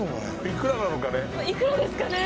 「いくらですかね？」